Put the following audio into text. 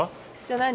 じゃあ何？